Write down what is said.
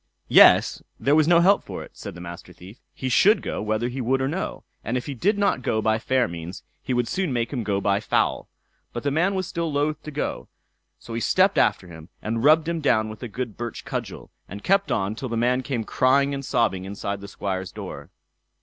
Yes, there was no help for it, said the Master Thief; he should go whether he would or no; and if he did not go by fair means, he would soon make him go by foul. But the man was still loath to go; so he stepped after him, and rubbed him down with a good birch cudgel, and kept on till the man came crying and sobbing inside the Squire's door.